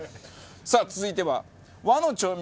さあ続いては。